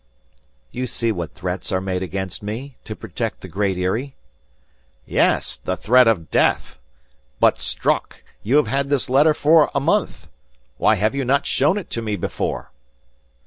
"You see what threats are made against me, to protect the Great Eyrie." "Yes, the threat of death! But Strock, you have had this letter for a month. Why have you not shown it to me before?"